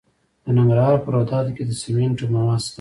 د ننګرهار په روداتو کې د سمنټو مواد شته.